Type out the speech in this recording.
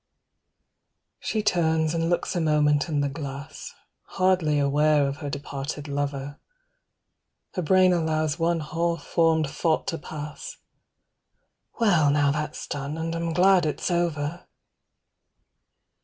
. She turns and looks a moment in the glass, Hardly aware of her departed lover; 250 Her brain allows one half formed thought to pass: "Well now that's done: and I'm glad it's over."